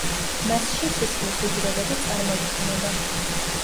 მასში სისხლის უჯრედები წარმოიქმნება.